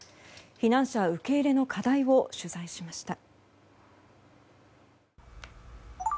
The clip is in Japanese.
避難者受け入れの課題を取材しました。